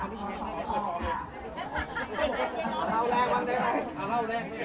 เลือกนะครับ